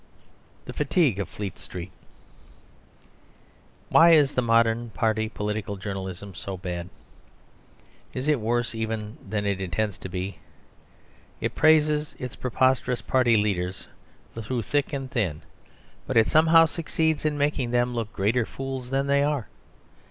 THE FATIGUE OF FLEET STREET Why is the modern party political journalism so bad? It is worse even than it intends to be. It praises its preposterous party leaders through thick and thin; but it somehow succeeds in making them look greater fools than they are.